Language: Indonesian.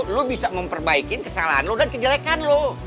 lo bisa memperbaiki kesalahan lo dan kejelekan lo